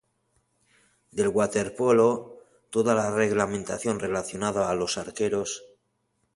Del waterpolo toda la reglamentación relacionada a los arqueros.